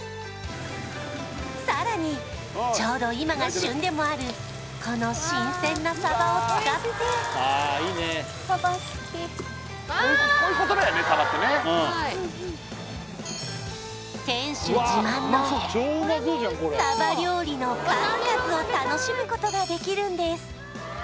さらにちょうど今が旬でもあるこの新鮮なサバを使って店主自慢のサバ料理の数々を楽しむことができるんです